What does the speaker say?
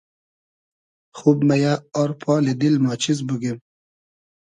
خوب مئیۂ آر پالی دیل ما چیز بوگیم